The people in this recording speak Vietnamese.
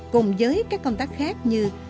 cùng với các công tác khác như